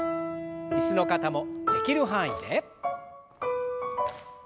椅子の方もできる範囲で。